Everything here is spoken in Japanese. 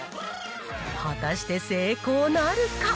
果たして成功なるか？